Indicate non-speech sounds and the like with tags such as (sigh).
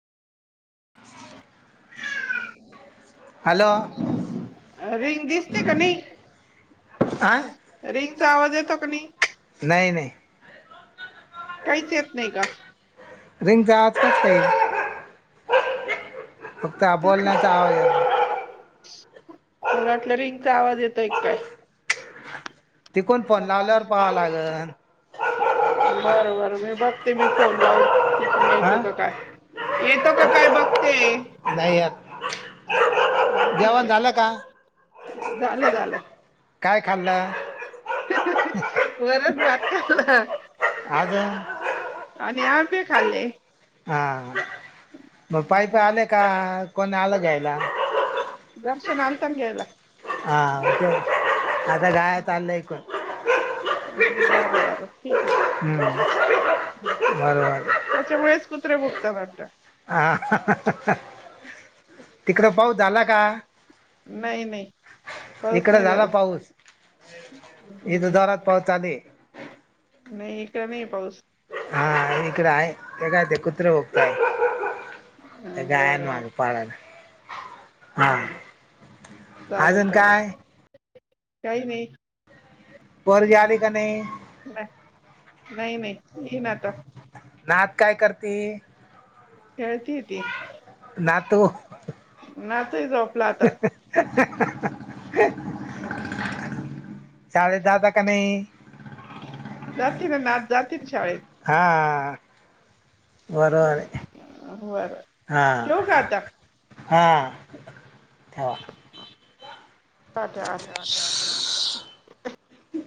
(inaudible) Hello ring दिसते का नाही? हा रिंगचा आवाज येतो कनी. नाही नाही काहीच येत नाही का? रिंग चा आवाज कसा (unintelligible) फक्त बोलण्याचा आवाज (unintelligible) मला वाटलं रिंगचा आवाज येतोय काय? तिकुण फोन लावल्यावर पहावं लागल. बर बर मी बघते मी फोन लावून. हा येतो का काय, येतो का काय बघते? नाही येत. ठीक जेवण आहे, झालं का झालं झालं. काय खाल्लं बरच वाट का? आज आणि आंबे खाल्ले. हां, म पाईप आले का कोणी आलं घ्यायला? सांघ्यायला. हा आता गाय चाललंय बर बर ठीक आहे. हम्म, बरोबर. त्याच्यामुळेच कुत्रे भोगतात वाटत. हा, तिकडं पाऊस झाला का? नाही नाही, पाऊस नाही झाला. इथ जोरात पाऊस चालू हाय. नही इकडे नही पाऊस. हा इकडं आहे ते काय कुत्रे भोक्ताईत. गायन बरं वान पाळन. हा, बरं चालेल अजून चालेल काय? काही नाही. पोरगी आली का नाही नाय, नाही नाहि घेण आता. नाद काय करते खेळतीय ती नातू. नातू झोपला आता (unintelligible) शाळेट दादा का नाही. जाती ना ना जाती ना शाळेत. हा बरोबर हाय. बरं ठेवू का हा, आता हा ह. अच्छा अच्छा अच्छा!